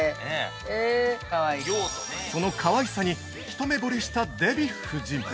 ◆そのかわいさに一目ぼれしたデヴィ夫人。